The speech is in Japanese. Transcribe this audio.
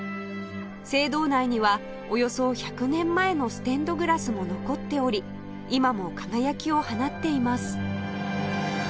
聖堂内にはおよそ１００年前のステンドグラスも残っており今も輝きを放っています